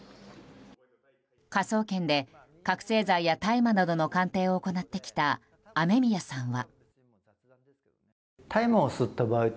科捜研で覚醒剤や大麻などの鑑定を行ってきた雨宮さんは。